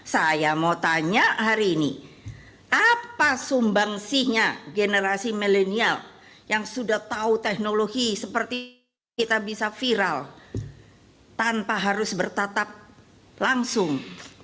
saya mau tanya hari ini apa sumbangsihnya generasi milenial yang sudah tahu teknologi seperti kita bisa viral tanpa harus bertatap langsung